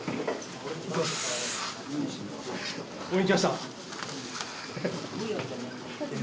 応援に来ました。